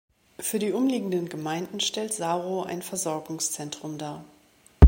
Für die umliegenden Gemeinden stellt Sarow ein Versorgungszentrum dar.